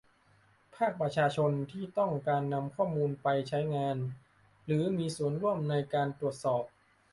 ภาคประชาชนที่ต้องการนำข้อมูลไปใช้งานหรือมีส่วนร่วมในการตรวจสอบ